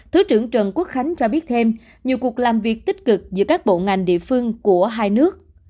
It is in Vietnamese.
thứ trưởng trần quốc khánh cho biết thêm nhiều cuộc làm việc tích cực giữa các bộ ngành địa phương của hai nước